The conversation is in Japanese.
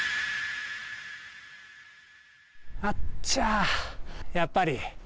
あっちゃー、やっぱり。